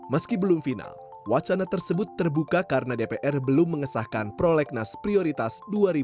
meski belum final wacana tersebut terbuka karena dpr belum mengesahkan prolegnas prioritas dua ribu dua puluh